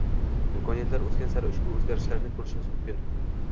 imkoniyatlar oʻsgan sari ushbu oʻzgarishlarni koʻrishimiz mumkin.